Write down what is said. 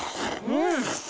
うん！